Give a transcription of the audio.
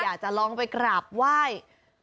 อยากจะลองไปกราบไหว้